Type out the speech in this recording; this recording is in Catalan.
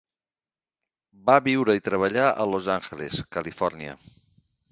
Va viure i treballar a Los Angeles, Califòrnia.